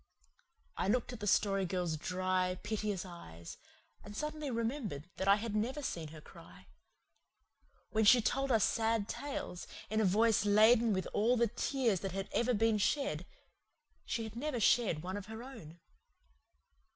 I looked at the Story Girl's dry, piteous eyes, and suddenly remembered that I had never seen her cry. When she told us sad tales, in a voice laden with all the tears that had ever been shed, she had never shed one of her own.